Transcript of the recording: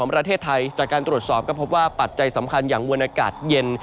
ประเทศไทยจากการตรวจสอบก็พบว่าปัจจัยสำคัญอย่างมวลอากาศเย็น